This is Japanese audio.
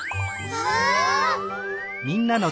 わあ！